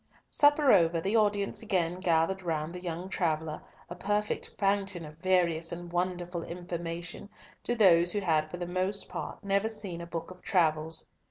Supper over, the audience again gathered round the young traveller, a perfect fountain of various and wonderful information to those who had for the most part never seen a book of travels.